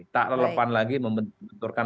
tak relevan lagi membenturkan